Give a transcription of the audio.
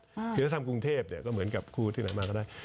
คือถ้าทำกรุงเทพก็เหมือนกับครูที่ไหนมาก็ได้